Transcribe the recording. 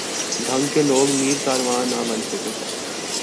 ڈھنگ کے لوگ میر کارواں نہ بن سکے۔